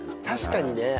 確かにね。